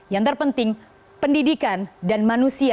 yang terpenting pendidikan dan manusia